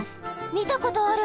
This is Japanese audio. みたことある。